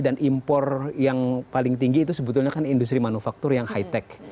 dan impor yang paling tinggi itu sebetulnya kan industri manufaktur yang high tech